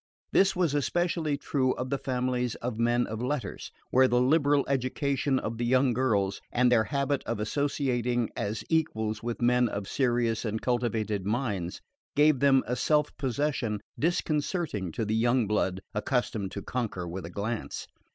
This was especially true of the families of men of letters, where the liberal education of the young girls, and their habit of associating as equals with men of serious and cultivated minds, gave them a self possession disconcerting to the young blood accustomed to conquer with a glance.